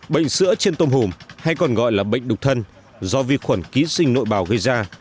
bệnh sữa trên tôm hùm hay còn gọi là bệnh đục thân do vi khuẩn ký sinh nội bào gây ra